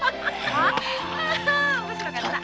ああ面白かった。